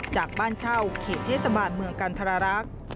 จากบ้านเช่าเขตเทศบาลเมืองกันทรรักษ์